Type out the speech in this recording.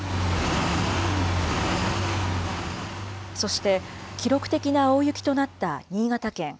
そして記録的な大雪となった新潟県。